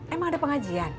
emang ada pengajian